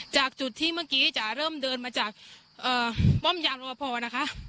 จากจุดที่เมื่อกี้จะเริ่มเดินมาจาก